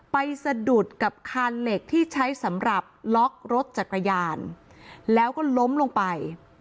สะดุดกับคานเหล็กที่ใช้สำหรับล็อกรถจักรยานแล้วก็ล้มลงไป